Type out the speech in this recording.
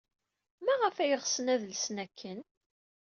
Maɣef ay ɣsen ad lsen akken?